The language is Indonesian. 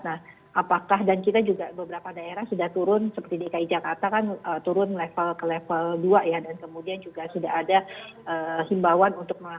nah apakah dan kita juga beberapa daerah sudah turun seperti dki jakarta kan turun level ke level dua ya dan kemudian juga sudah ada himbauan